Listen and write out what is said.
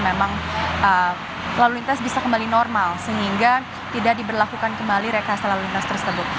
memang lalu lintas bisa kembali normal sehingga tidak diberlakukan kembali rekayasa lalu lintas tersebut